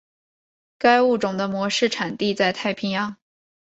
该物种的模式产地在太平洋。